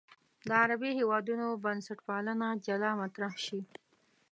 د عربي هېوادونو بنسټپالنه جلا مطرح شي.